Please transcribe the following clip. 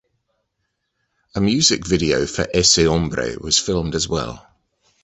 A music video for "Ese Hombre" was filmed as well.